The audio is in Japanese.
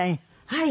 はい。